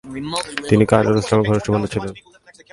তিনি কাজী নজরুল ইসলামের ঘনিষ্ঠ বন্ধু ছিলেন।